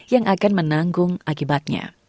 yang akan menanggung akibatnya